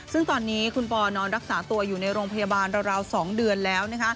ซึ่งตอนนี้คุณปอนอนรักษาตัวอยู่ในโรงพยาบาลราว๒เดือนแล้ว